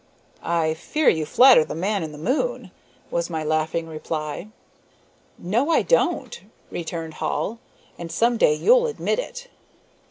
"I fear you flatter the man in the moon," was my laughing reply. "No, I don't," returned Hall, "and some day you'll admit it."